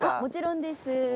もちろんです。